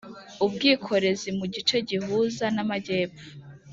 ubwikorezi mu gice gihuza n’amajyepfo